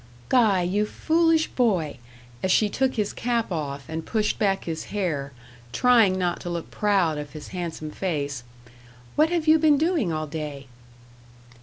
"Guy, you foolish boy!" as she took his cap off and pushed back his hair, trying not to look proud of his handsome face, "what have you been doing all day?"